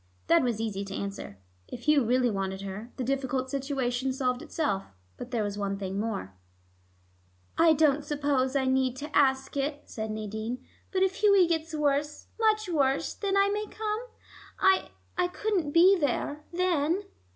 That was easy to answer. If Hugh really wanted her, the difficult situation solved itself. But there was one thing more. "I don't suppose I need ask it," said Nadine, "but if Hughie gets worse, much worse, then I may come? I I couldn't be there, then."